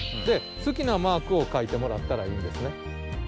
で好きなマークをかいてもらったらいいんですね。